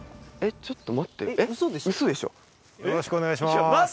ちょっと待ってよ。